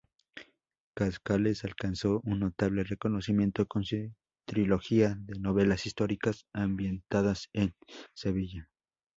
Cascales alcanzó un notable reconocimiento con su trilogía de novelas históricas ambientadas en Sevilla.